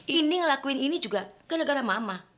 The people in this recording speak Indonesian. indi ngelakuin ini juga gara gara mama